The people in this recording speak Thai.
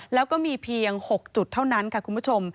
แล้วก็มีเพียง๖จุดเท่านั้นค่ะคุณผู้ชม